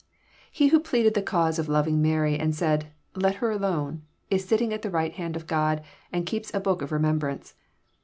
He who pleaded the cause of loving Mary, and said, <^ Let her alone," is sitting at the right hand of God, and keeps a book of remembrance.